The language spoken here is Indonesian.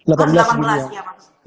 ambon menjadi kota ke delapan belas